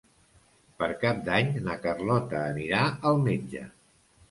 Per Cap d'Any na Carlota anirà al metge.